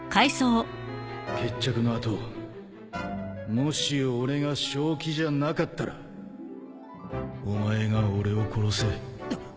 決着の後もし俺が正気じゃなかったらお前が俺を殺せ